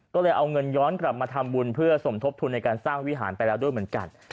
ก็เลยเอาเงินย้อนกลับมาทำบุญเพื่อสมทบทุนในการสร้างวิหารไปแล้วด้วยเหมือนกัน